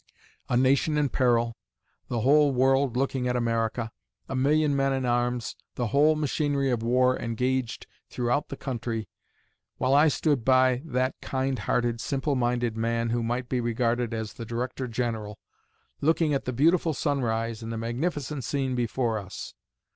A nation in peril the whole world looking at America a million men in arms the whole machinery of war engaged throughout the country, while I stood by that kind hearted, simple minded man who might be regarded as the Director General, looking at the beautiful sunrise and the magnificent scene before us.